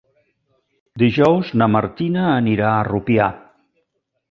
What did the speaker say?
Dijous na Martina anirà a Rupià.